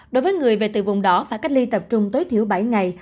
đối với người về từ vùng đỏ phải cách ly tập trung tối thiểu bảy ngày